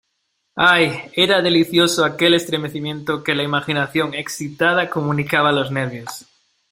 ¡ ay, era delicioso aquel estremecimiento que la imaginación excitada comunicaba a los nervios!...